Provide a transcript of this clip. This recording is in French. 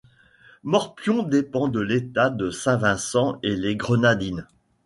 Morpion dépend de l'État de Saint-Vincent-et-les-Grenadines.